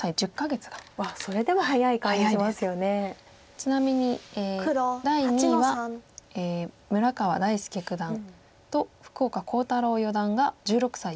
ちなみに第２位は村川大介九段と福岡航太朗四段が１６歳４か月。